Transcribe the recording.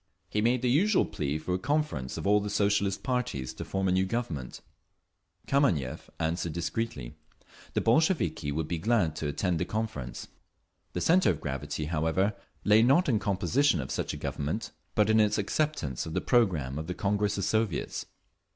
He made the usual plea for a conference of all the Socialist parties to form a new Government…. Kameniev answered discreetly. The Bolsheviki would be very glad to attend the conference. The centre of gravity, however, lay not in composition of such a Government, but in its acceptance of the programme of the Congress of Soviets.